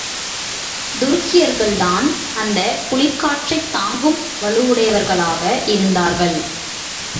துருக்கியர்கள்தான் அந்தக் குளிர்க்காற்றைத் தாங்கும் வலுவுடையவர்களாக இருந்தார்கள்.